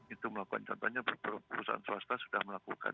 itu melakukan contohnya perusahaan swasta sudah melakukan